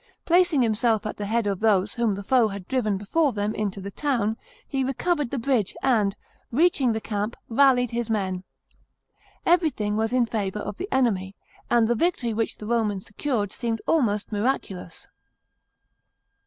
Placing himself at the head 362 REBELLIONS IN GERMANY AND JUDEA. CHAP. xx. of those whom the foe had driven before them into the town, he recovered the bridge, and, reaching the camp, rallied his men. Everything was in favour of the enemy, and the victory which the Romans secured seemed almost miraculous.